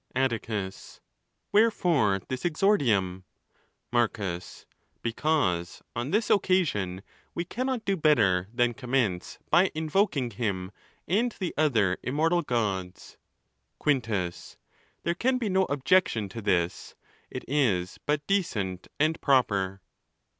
Atticus. — Wherefore this exordium ? Marcus.—Because on this occasion we cannot do better than commence by invoking him and the other immortal ods. Quintus.—There can be no objection to this: it is but decent and proper.